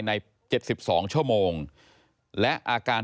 พบหน้าลูกแบบเป็นร่างไร้วิญญาณ